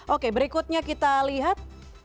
oke berikutnya kita lihat